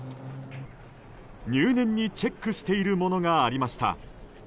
入念にチェックしているものがありました。